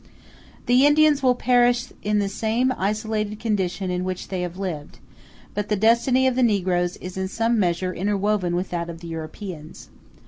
The Indians will perish in the same isolated condition in which they have lived; but the destiny of the negroes is in some measure interwoven with that of the Europeans.